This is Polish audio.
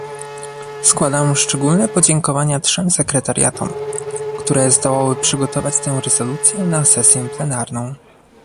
Składam szczególne podziękowania trzem sekretariatom, które zdołały przygotować tę rezolucję na sesję plenarną